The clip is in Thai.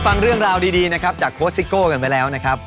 ฟังเรื่องราวดีนะครับจากโค้ชซิโก้กันไปแล้วนะครับ